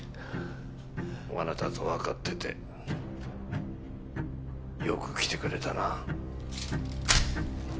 罠だとわかっててよく来てくれたな。